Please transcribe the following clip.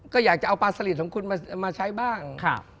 ก็อยากจะเอาปลาสลิดของคุณมาใช้บ้าง